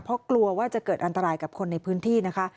เพราะกลัวว่าจะเกิดอันตรายกับคนในพื้นที่นะคะ